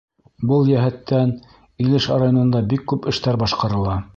Был йәһәттән Илеш районында бик күп эштәр башҡарыла.